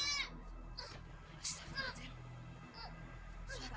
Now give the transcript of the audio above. di februar akan murahka